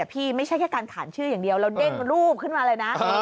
ไม่ใช่แค่การขานชื่ออย่างเดียวแล้วเด้งรูปขึ้นมาเลยนะ